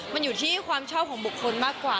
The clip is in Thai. มันอยู่ที่ความชอบของบุคคลมากกว่า